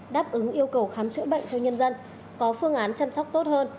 đáp ứng yêu cầu khám chữa bệnh cho nhân dân có phương án chăm sóc tốt hơn